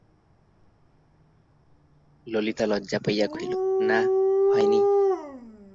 ললিতা লজ্জা চাপিয়া কহিল, না, হয় নি।